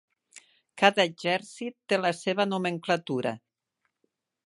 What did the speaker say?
Cada exèrcit té la seva nomenclatura.